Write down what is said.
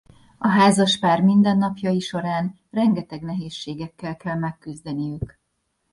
A házaspár mindennapjai során rengeteg nehézségekkel kell megküzdeniük.